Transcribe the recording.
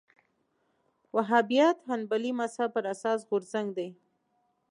وهابیت حنبلي مذهب پر اساس غورځنګ دی